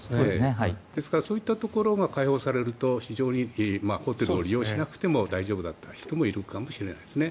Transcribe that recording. ですからそういったところが開放されると、非常にホテルを利用しなくても大丈夫だった人もいるかもしれないですね。